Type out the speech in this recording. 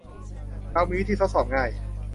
เรามีวิธีทดสอบง่าย